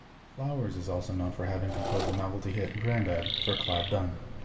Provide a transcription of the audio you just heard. Flowers is also known for having composed the novelty hit "Grandad" for Clive Dunn.